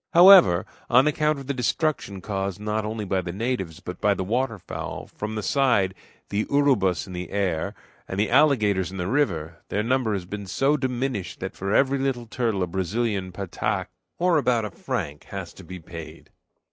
However, on account of the destruction caused not only by the natives, but by the water fowl from the side, the urubus in the air, and the alligators in the river, their number has been so diminished that for every little turtle a Brazilian pataque, or about a franc, has to be paid.